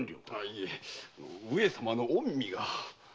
いえ上様の御身が。